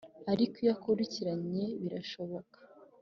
ariko iyo ukurikiranye birashoboka